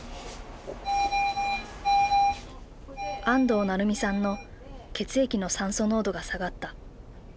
安東愛美さんの血液の酸素濃度が下がった。